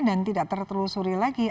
dan tidak tertelusuri lagi